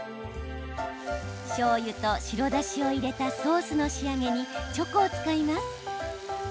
しょうゆと白だしを入れたソースの仕上げにチョコを使います。